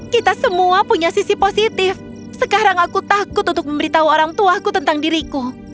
kita semua punya sisi positif sekarang aku takut untuk memberitahu orang tuaku tentang diriku